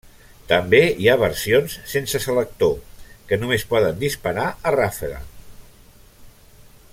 També hi ha versions sense selector, que només poden disparar a ràfega.